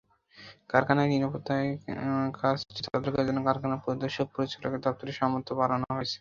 কারখানার নিরাপত্তার কাজটি তদারকির জন্য কারখানা পরিদর্শক পরিচালকের দপ্তরে সামর্থ্য বাড়ানো হয়েছে।